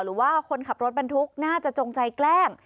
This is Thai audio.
หรือว่าคนขับรถบรรทุกน่าจะจงใจแกล้ง